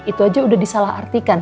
itu aja udah disalah artikan